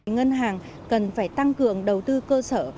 ngân hàng cần phải tăng cường đầu tư cơ sở